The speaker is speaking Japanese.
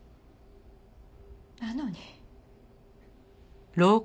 なのに。